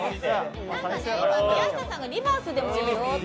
なんか宮下さんがリバースでもいいよって。